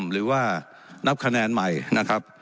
หรือว่านับคะแนนใหม่นะครับ